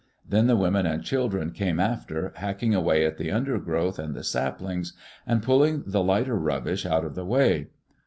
Then the women and chil dren came after, hacking away at the undergrowth and the saplings, and pulling the lighter rubbish out of the way.